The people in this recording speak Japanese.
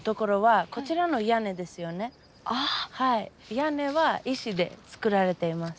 屋根は石で作られています。